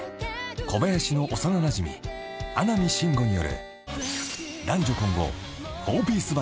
小林の幼なじみ穴見真吾による］